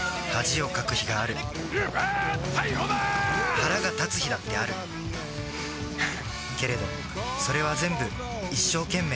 腹が立つ日だってあるけれどそれはぜんぶ一生懸命